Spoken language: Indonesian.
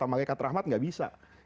kata malaikat rahmat dan malaikat azab